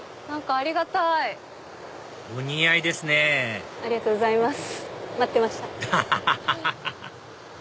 ありがとうございます。